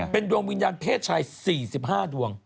เป็นดวงวิญญาณเพศชาย๔๕ดวง